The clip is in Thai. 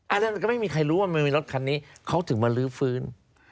นั่นมันก็ไม่มีใครรู้ว่ามันมีรถคันนี้เขาถึงมาลื้อฟื้น